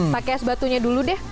pake es batunya dulu deh